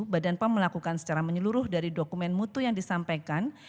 keadaan pemelakukan secara menyeluruh dari dokumen mutu yang disampaikan